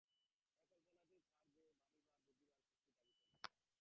এ কল্পনাতেই তার যে ভাবিবার বুঝিবার শক্তি থাকিত না।